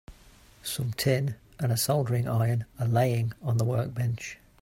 Some tin and a soldering iron are laying on the workbench.